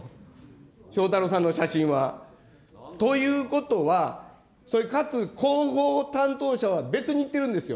翔太郎さんの写真は。ということは、かつ広報担当者は別に行ってるんですよ。